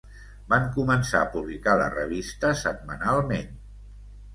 Van començar a publicar la revista setmanalment.